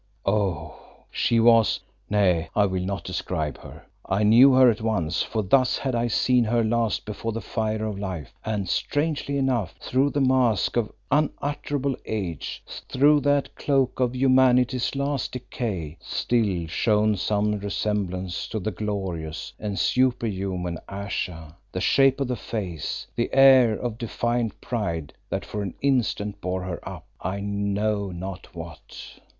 Oh! she was nay, I will not describe her. I knew her at once, for thus had I seen her last before the Fire of Life, and, strangely enough, through the mask of unutterable age, through that cloak of humanity's last decay, still shone some resemblance to the glorious and superhuman Ayesha: the shape of the face, the air of defiant pride that for an instant bore her up I know not what.